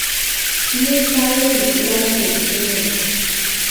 Nu ke ye mi kplana le funu o?